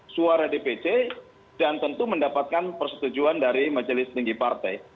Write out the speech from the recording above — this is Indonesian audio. suara dpc dan tentu mendapatkan persetujuan dari majelis tinggi partai